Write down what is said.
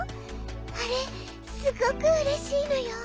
あれすごくうれしいのよ。